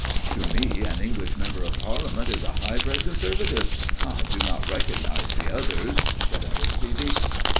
"To me an English Member of Parliament is a high bred conservative. I do not recognize the others," said Aristide.